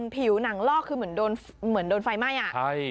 ผิวหนังลอกคือเหมือนโดนไฟไหม้อ่ะใช่